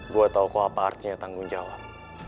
gue tau kok apa artinya tanggung jawab